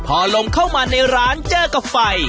พอลมเข้ามาในร้านเจอกับไฟ